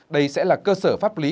đây sẽ là cơ sở pháp lý